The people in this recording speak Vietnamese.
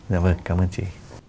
dạ vâng cảm ơn chị